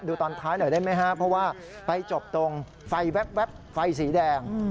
ดูตอนท้ายหน่อยได้ไหมครับเพราะว่าไปจบตรงไฟแว๊บไฟสีแดง